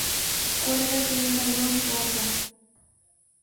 Cuelga de un galón rojo.